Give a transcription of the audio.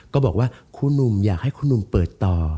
ก็บอกว่าครูหนุ่มอยากให้คุณหนุ่มเปิดต่อ